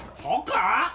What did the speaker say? そうか？